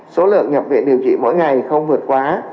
số lượng nhập viện điều trị mỗi ngày không vượt quá